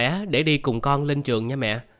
cố lên mẹ để đi cùng con lên trường nha mẹ